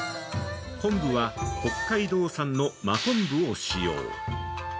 昆布は北海道産の真昆布を使用。